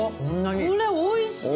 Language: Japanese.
これおいしい。